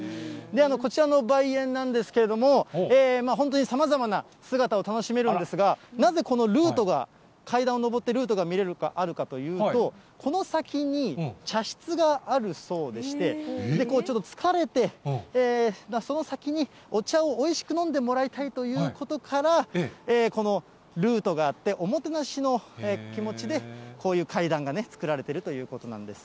こちらの梅園なんですけれども、本当にさまざまな姿を楽しめるんですが、なぜこのルートが、階段を上って、ルートが見れるか、あるかというと、この先に茶室があるそうでして、ちょっと疲れて、その先にお茶をおいしく飲んでもらいたいということから、このルートがあって、おもてなしの気持ちでこういう階段が造られてるということなんです。